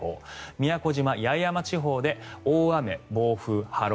宮古島、八重山地方で大雨、暴風、波浪。